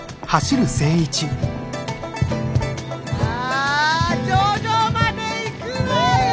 さあ頂上まで行くわよ！